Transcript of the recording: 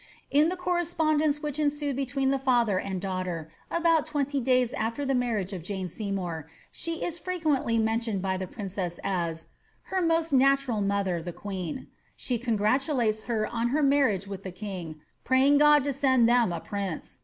In the correspondence which ensued between the father and daughter, about twenty days after the marriage of Jane Sey mour, she is frequently mentioned by the princess as ^ her most natand mother the queen :'' she congratulates her on her marriage with the king, praying God to send them a prince.